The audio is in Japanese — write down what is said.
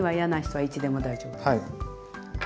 はい。